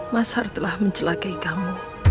mas har telah mencelakai kamu